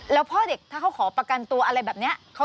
แล้วพ่อเด็กถ้าเขาขอประกันตัวอะไรแบบนี้